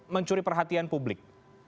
mencuri perhatian publik